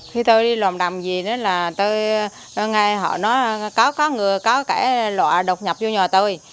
khi tôi đi lòm đầm gì đó là tôi nghe họ nói có người có kẻ lọa đột nhập vô nhà tôi